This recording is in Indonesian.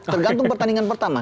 tergantung pertandingan pertama